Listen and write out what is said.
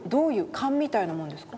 勘みたいなもんですか？